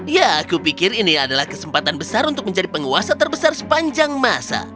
ya aku pikir ini adalah kesempatan besar untuk menjadi penguasa terbesar sepanjang masa